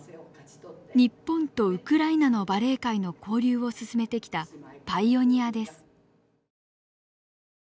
日本とウクライナのバレエ界の交流を進めてきたパイオニアです。